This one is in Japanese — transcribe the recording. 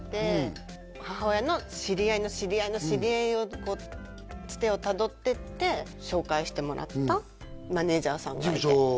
母親の知り合いの知り合いの知り合いをこうつてをたどっていって紹介してもらったマネージャーさんがいて事務所を？